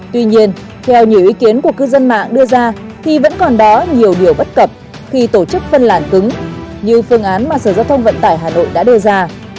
tuy nhiên theo nhiều ý kiến của cư dân mạng đưa ra thì vẫn còn đó nhiều điều bất cập khi tổ chức phân làn cứng như phương án mà sở giao thông vận tải hà nội đã đưa ra